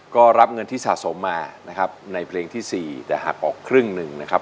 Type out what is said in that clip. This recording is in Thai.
ก็รับเงินที่สะสมมานะครับในเพลงที่๔แต่หักออกครึ่งหนึ่งนะครับ